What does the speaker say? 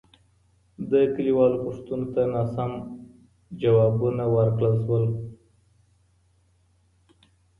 د کليوالو پوښتنو ته ناسم ځوابونه ورکړل سول.